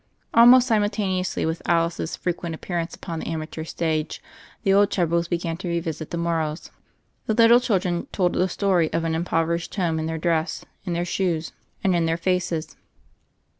Almost simultaneously with Alice's frequent appearance upon the amateur stage, the old troubles began to revisit the Morrows. The lit tle children told the story of an impoverished home in their dress, in their shoes, and in their i8o THE FAIRY OF THE SNOWS faces.